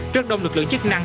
trước đông lực lượng chức năng